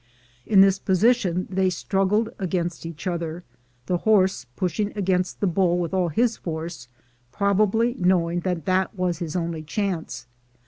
In this position they strug gled against each other, the horse pushing against the bull with all his force, probably knowing that that was his only chance.